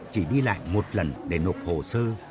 chỉ đi lại một lần để nộp hồ sơ